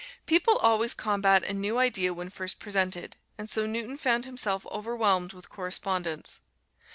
People always combat a new idea when first presented, and so Newton found himself overwhelmed with correspondence.